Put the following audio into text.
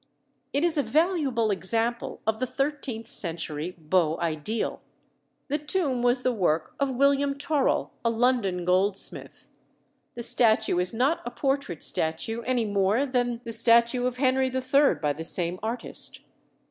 It is a valuable example of the thirteenth century beau ideal. The tomb was the work of William Torel, a London goldsmith. The statue is not a portrait statue any more than the statue of Henry III. by the same artist.